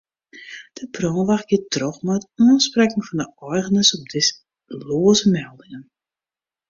De brânwacht giet troch mei it oansprekken fan de eigeners op loaze meldingen.